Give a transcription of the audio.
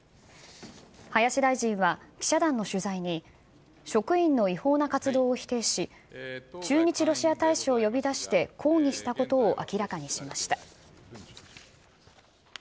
林大臣は、記者団の取材に、職員の違法な活動を否定し、駐日ロシア大使を呼び出して抗議したことを明らかにしました。